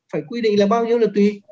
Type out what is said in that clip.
phải quy định là bao nhiêu là tùy